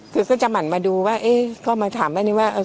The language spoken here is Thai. คือก็จะหมั่นมาดูว่าเอ๊ะก็มาถามแม่นี้ว่า